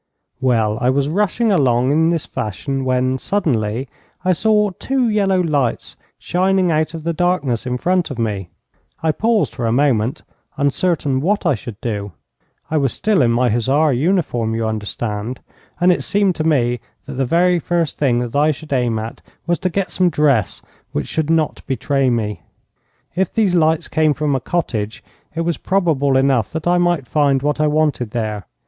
Well, I was rushing along in this fashion when, suddenly, I saw two yellow lights shining out of the darkness in front of me. I paused for a moment, uncertain what I should do. I was still in my hussar uniform, you understand, and it seemed to me that the very first thing that I should aim at was to get some dress which should not betray me. If these lights came from a cottage, it was probable enough that I might find what I wanted there.